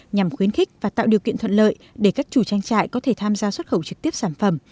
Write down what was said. nhằm khuyến khích và tạo điều kiện thuận lợi để các chủ trang trại có thể tham gia xuất khẩu trực tiếp sản phẩm